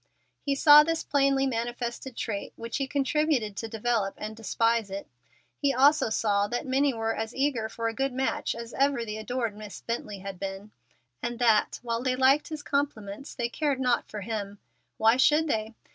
He saw this plainly manifested trait, which he contributed to develop, and despised it. He also saw that many were as eager for a good match as ever the adored Miss Bently had been, and that, while they liked his compliments, they cared not for him. Why should they?